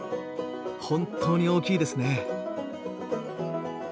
本当に大きいですね。